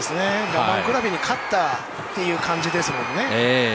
我慢比べに勝ったという感じですもんね。